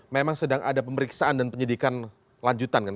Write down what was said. memang sedang ada pemeriksaan dan penyidikan lanjutan kan